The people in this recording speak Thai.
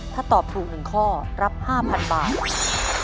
ถ้าตอบถูก๑ข้อรับ๕๐๐๐บาท